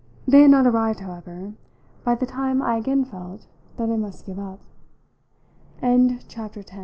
They had not arrived, however, by the time I again felt that I must give up. XI I gave up by going